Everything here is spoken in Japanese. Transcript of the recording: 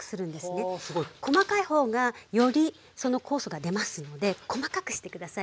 細かい方がよりその酵素が出ますので細かくして下さい。